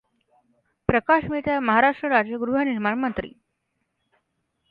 प्रकाश मेहता महाराष्ट्र राज्य गृहनिर्माण मंत्री.